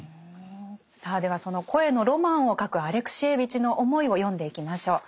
さあではその「声のロマン」を書くアレクシエーヴィチの思いを読んでいきましょう。